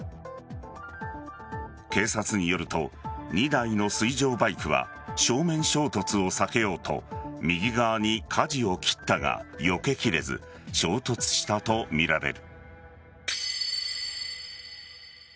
警察によると２台の水上バイクは正面衝突を避けようと右側に舵を切ったがよけきれず衝突したとみられる。